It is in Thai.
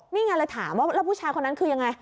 นี่ไงเลยถามว่าแล้วผู้ชายคนนั้นคือยังไง